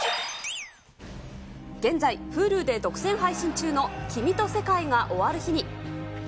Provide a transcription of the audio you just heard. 現在、Ｈｕｌｕで独占配信中の君と世界が終わる日に。